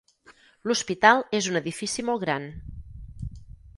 L'Hospital és un edifici molt gran.